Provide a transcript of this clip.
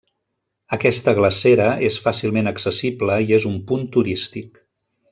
Aquesta glacera és fàcilment accessible i és un punt turístic.